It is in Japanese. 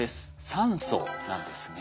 酸素なんですね。